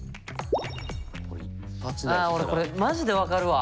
あ俺これマジで分かるわ。